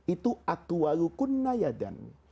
itu atuwaru kunnayadan